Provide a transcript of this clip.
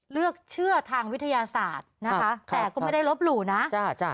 เลือกเชื่อทางวิทยาศาสตร์นะคะแต่ก็ไม่ได้ลบหลู่นะจ้า